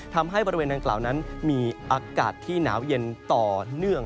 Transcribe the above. ทำให้บริเวณดังกล่าวนั้นมีอากาศที่หนาวเย็นต่อเนื่อง